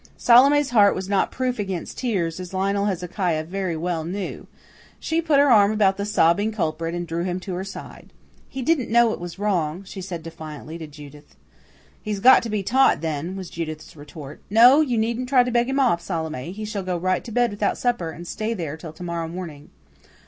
Salome's heart was not proof against tears, as Lionel Hezekiah very well knew. She put her arm about the sobbing culprit, and drew him to her side. "He didn't know it was wrong," she said defiantly to Judith. "He's got to be taught, then," was Judith's retort. "No, you needn't try to beg him off, Salome. He shall go right to bed without supper, and stay there till to morrow morning."